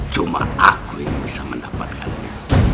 cuma aku yang bisa mendapatkannya